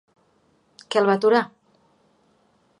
Què el va aturar?